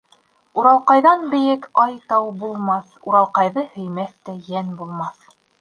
Уралҡайҙан бейек, ай, тау булмаҫ, Уралҡайҙы һөймәҫ тә йән булмаҫ.